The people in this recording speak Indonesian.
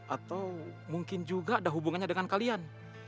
atau mungkin juga ada hubungannya dengan kalian